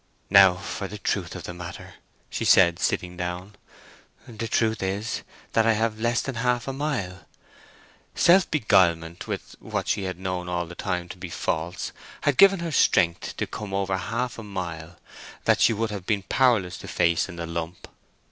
"Now for the truth of the matter," she said, sitting down. "The truth is, that I have less than half a mile." Self beguilement with what she had known all the time to be false had given her strength to come over half a mile that she would have been powerless to face in the lump.